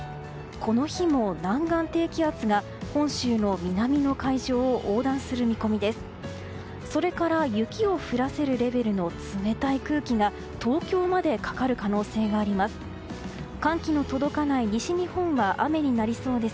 この日も南岸低気圧が本州の南の海上を横断する見込みです。